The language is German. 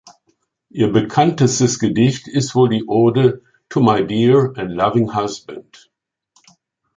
Ihr bekanntestes Gedicht ist wohl die Ode "To My Dear and Loving Husband".